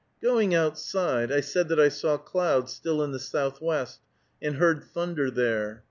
Going outside, I said that I saw clouds still in the southwest, and heard thunder there.